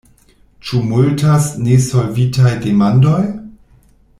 Ĉu multas nesolvitaj demandoj?